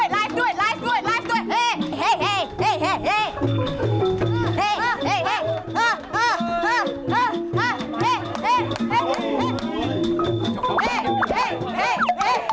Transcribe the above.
ไลฟ์ด้วยไลฟ์ด้วยไลฟ์ด้วย